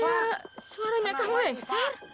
kayak suaranya kamu lengsar